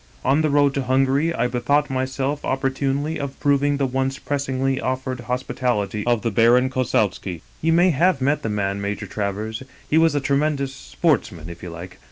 On the road to Hungary I bethought myself opportunely of proving the once pressingly offered hospitality of the Baron Kossowski. " You may have met the man, Major Travers ; he was a tremendous sportsman, if you like.